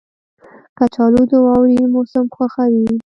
کچالو د واورین موسم خوښوي